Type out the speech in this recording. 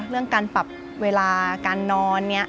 เรื่องการปรับเวลาการนอนเนี่ย